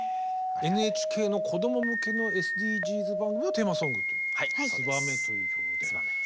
ＮＨＫの子ども向けのＳＤＧｓ番組のテーマソングと「ツバメ」という曲で。